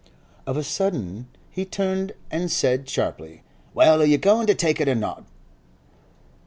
Of a sudden he turned and said sharply: 'Well, are you goin' to take it or not?